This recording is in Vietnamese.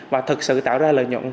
và thực sự tạo ra lợi nhuận